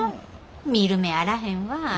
見る目あらへんわあ。